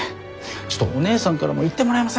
ちょっとお姉さんからも言ってもらえませんか？